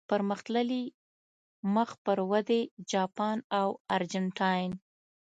پرمختللي، مخ پر ودې، جاپان او ارجنټاین.